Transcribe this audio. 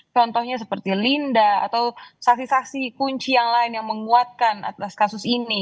contohnya seperti linda atau saksi saksi kunci yang lain yang menguatkan atas kasus ini